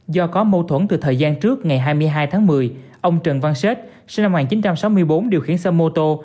do có mâu thuẫn từ thời gian trước ngày hai mươi hai tháng một mươi ông trần văn xết sinh năm một nghìn chín trăm sáu mươi bốn điều khiển xe mô tô